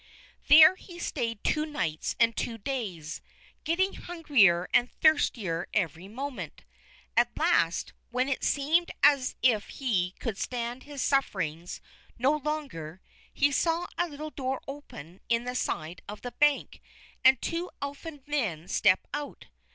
There he stayed two nights and two days, getting hungrier and thirstier every moment. At last, when it seemed as if he could stand his sufferings no longer, he saw a little door open in the side of the bank and two Elfin Men step out.